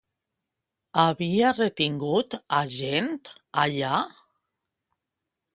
Havia retingut a gent allà?